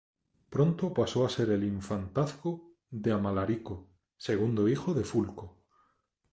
Pronto pasó a ser el infantazgo de Amalarico, segundo hijo de Fulco.